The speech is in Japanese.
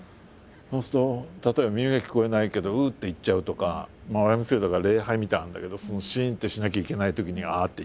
そうすると例えば耳が聞こえないけど「う」って言っちゃうとかＹＭＣＡだから礼拝みたいなのあるんだけどシンってしなきゃいけないときに「あ」って言っちゃうとか。